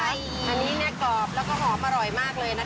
อันนี้กรอบแล้วก็หอมอร่อยมากเลยนะคะ